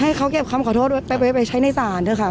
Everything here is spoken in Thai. ให้เขาเก็บคำขอโทษไปใช้ในศาลเถอะค่ะ